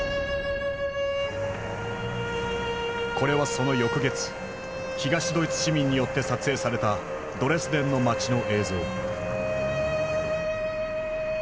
これはその翌月東ドイツ市民によって撮影されたドレスデンの街の映像。